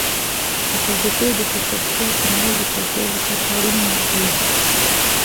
د فابریکو د ککړتیا کمول د چاپیریال لپاره اړین دي.